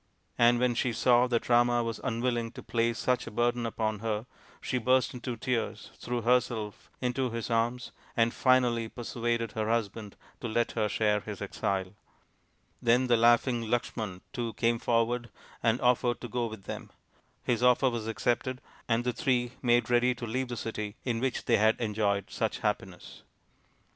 " And when she saw that Rama was unwilling to place such a burden upon her, she burst into tears, threw herself into his arms, and finally persuaded her husband to let her share his exile. Then the laughing Lakshmana too came forward and offered to go B i8 THE INDIAN STORY BOOK with them. His offer was accepted, and the three made ready to leave the city in which the\ had enjoyed such happiness.